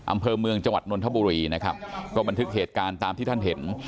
อำเภอเมืองจังหวัดนนทบุรีนะครับก็บันทึกเหตุการณ์ตามที่ท่านเห็น